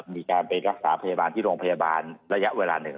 มีการไปรักษาพยาบาลที่โรงพยาบาลระยะเวลาหนึ่ง